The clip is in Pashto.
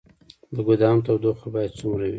د ګدام تودوخه باید څومره وي؟